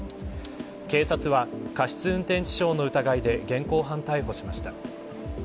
警察は、過失運転致傷の疑いで現行犯逮捕しました。